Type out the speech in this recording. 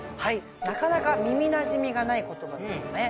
なかなか耳なじみがない言葉ですよね。